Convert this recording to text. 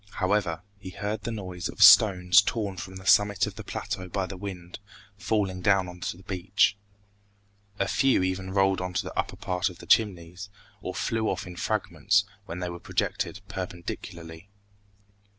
However he heard the noise of stones torn from the summit of the plateau by the wind, falling down on to the beach. A few even rolled on to the upper part of the Chimneys, or flew off in fragments when they were projected perpendicularly.